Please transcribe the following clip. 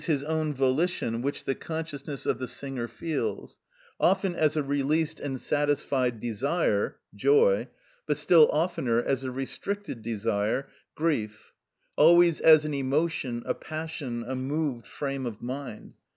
_, his own volition, which the consciousness of the singer feels; often as a released and satisfied desire (joy), but still oftener as a restricted desire (grief), always as an emotion, a passion, a moved frame of mind.